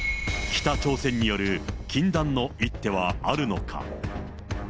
北朝鮮による禁断の一手はあるのか。